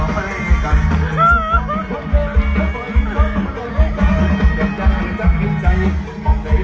กลับไปเกือบให้ดีเนี่ย